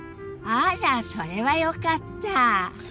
あらそれはよかった。